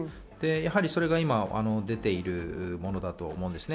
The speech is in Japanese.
それが今出ているものだと思うんですね。